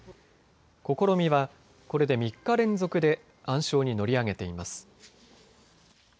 試みはこれで３日連続で暗礁に乗り上げています。